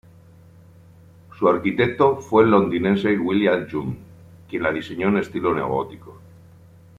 Su arquitecto fue el londinense William Young, quien la diseñó en estilo neogótico.